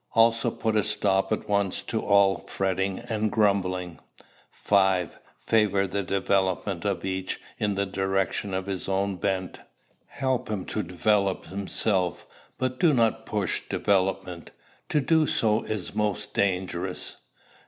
Also put a stop at once to all fretting and grumbling. 5. Favor the development of each in the direction of his own bent. Help him to develop himself, but do not push development. To do so is most dangerous.